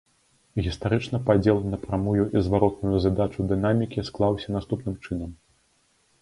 Гістарычна падзел на прамую і зваротную задачу дынамікі склаўся наступным чынам.